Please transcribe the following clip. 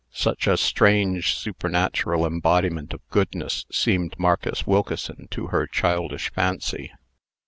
Such a strange, supernatural embodiment of goodness seemed Marcus Wilkeson to her childish fancy.